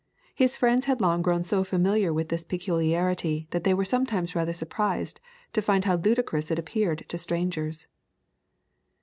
His friends had long grown so familiar with this peculiarity that they were sometimes rather surprised to find how ludicrous it appeared to strangers.